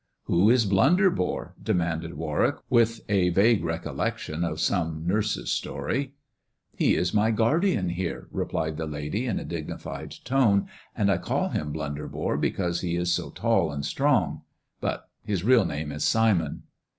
" Who is Blunderbore ?" demanded Warwick, n vague recollection of some nurse's story. THE dwarf's chamber 31 He is my guardian here," replied the lady in a dignified tone, ^* and I call him Blunderbore because he is so tall and strong. But his real name is Simon."